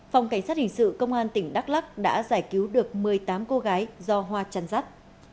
phòng cảnh sát hình sự công an tỉnh đắk lắc đã giải cứu được một mươi tám cô gái do hoa chăn rắt